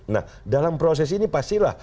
nah dalam proses ini pastilah